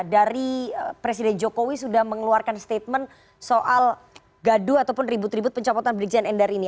dari presiden jokowi sudah mengeluarkan statement soal gaduh ataupun ribut ribut pencopotan brigjen endar ini